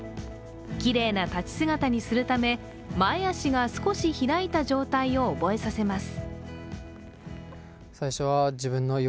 きれいな立ち姿にするため前足が少し開いた状態を覚えさせます。